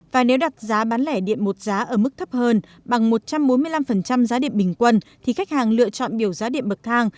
và nếu đặt giá bán lẻ điện một giá ở mức thấp hơn bằng một trăm bốn mươi năm giá điện bình quân thì khách hàng lựa chọn biểu giá điện bậc thang